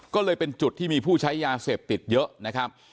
ก็เลยเป็นจุดที่มีผู้ใช้ยาเสพติดเยอะนะครับ